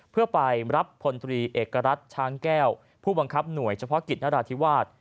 เพื่อไปรับพลตรีเอกรัฐช้างแก้วผู้บังคับหน่วยเฉพาะกิจนราธิวาส